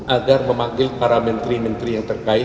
agar memanggil para menteri menteri yang terkait